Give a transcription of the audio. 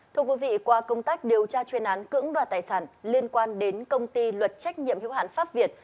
thưa quý vị qua công tác điều tra chuyên án cưỡng đoạt tài sản liên quan đến công ty luật trách nhiệm hữu hạn pháp việt